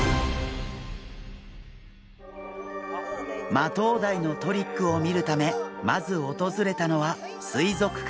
マトウダイのトリックを見るためまず訪れたのは水族館。